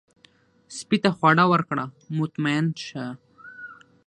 سپي ته خواړه ورکړه، مطمئن شي.